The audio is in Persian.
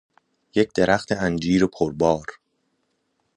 یک درخت انجیر پربار